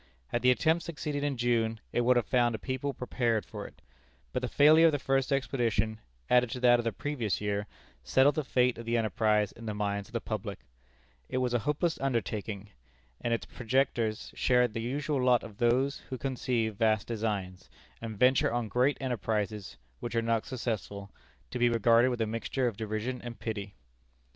Had the attempt succeeded in June, it would have found a people prepared for it. But the failure of the first expedition, added to that of the previous year, settled the fate of the enterprise in the minds of the public. It was a hopeless undertaking; and its projectors shared the usual lot of those who conceive vast designs, and venture on great enterprises, which are not successful, to be regarded with a mixture of derision and pity.